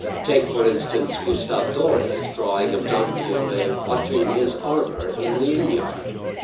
Take, for instance, Gustave Dore's drawing of Don Quixote watching his armour in the inn yard.